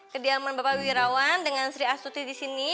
kediaman bapak wirawan dengan sri astuti di sini